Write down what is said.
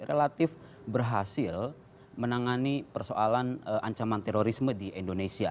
relatif berhasil menangani persoalan ancaman terorisme di indonesia